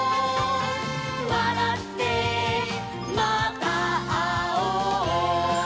「わらってまたあおう」